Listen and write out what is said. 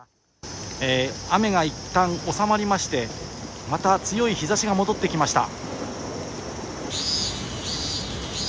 雨がいったん収まりまして、また強い日ざしが戻ってきました。